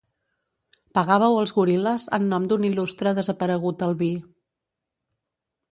Pegàveu els goril·les en nom d'un il·lustre desaparegut albí.